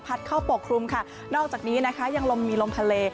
เข้าปกครุมค่ะนอกจากนี้นะคะยังลมมีลมทะเล